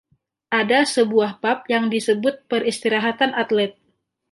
Ada sebuah pub yang disebut “Peristirahatan Atlet”